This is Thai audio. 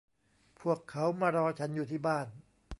พวกเขารอฉันอยู่ที่บ้าน